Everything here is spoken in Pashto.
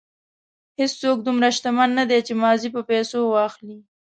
هېڅوک دومره شتمن نه دی چې ماضي په پیسو واخلي.